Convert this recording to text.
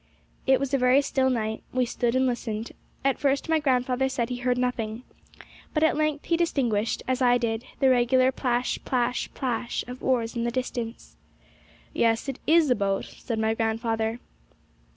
It was a very still night; we stood and listened. At first my grandfather said he heard nothing; but at length he distinguished, as I did, the regular plash plash plash of oars in the distance. 'Yes, it is a boat,' said my grandfather.